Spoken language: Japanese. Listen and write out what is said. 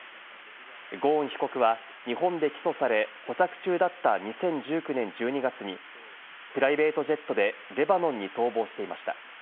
ゴーン被告は日本で起訴され、保釈中だった２０１９年１２月にプライベートジェットでレバノンに逃亡していました。